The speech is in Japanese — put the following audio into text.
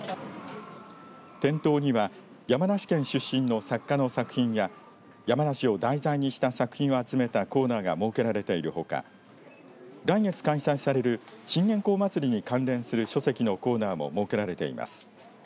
店頭には山梨県出身の作家の作品や山梨を題材にした作品を集めたコーナーが設けられているほか来月開催される信玄公祭りに関連する書籍のコーナーも設けられています。